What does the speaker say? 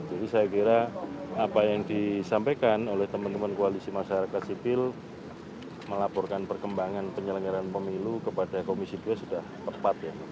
jadi saya kira apa yang disampaikan oleh teman teman koalisi masyarakat sipil melaporkan perkembangan penyelenggaran pemilu kepada komisi dua sudah tepat ya